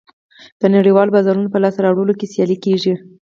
د نړیوالو بازارونو په لاسته راوړلو کې سیالي کېږي